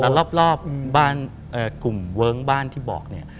แต่รอบบ้านกลุ่มเวิ้งบ้านที่บอกเนี่ย